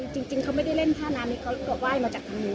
จริงเขาไม่ได้เล่นท่าน้ำนี้เขาไหว้มาจากทางนู้น